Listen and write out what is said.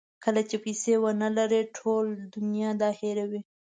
کله چې پیسې ونلرئ ټوله دنیا دا هیروي.